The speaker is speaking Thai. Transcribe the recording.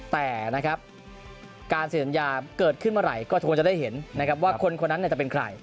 แต่การเซ็นสัญญาเกิดขึ้นเมื่อไหร่ก็ทุกคนจะได้เห็นว่าคนนั้นจะเป็นใคร